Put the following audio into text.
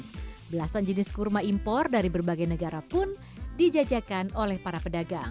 dan belasan jenis kurma impor dari berbagai negara pun dijajakan oleh para pedagang